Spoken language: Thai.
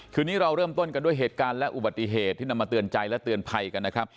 คืนนี้เราเริ่มต้นกันด้วยเหตุการณ์และอุบัติเหตุที่นำมาเตือนใจและเตือนภัยกันนะครับ